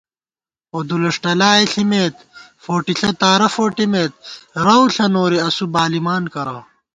اُدُلُݭٹہ لائے ݪِمېت ، فوٹِݪہ تارہ فوٹِمېت، رَؤ ݪہ نوری اسُو بالِمان کرہ